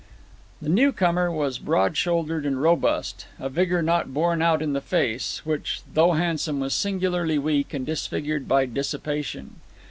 The newcomer was broad shouldered and robust a vigor not borne out in the face, which, though handsome, was singularly weak, and disfigured by dissipation.